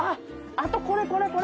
あと、これこれこれ。